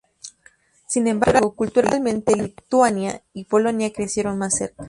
Sin embargo, culturalmente, Lituania y Polonia crecieron más cerca.